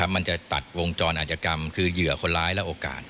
มันจะตัดวงจรอาจกรรมคือเหยื่อคนร้ายและโอกาส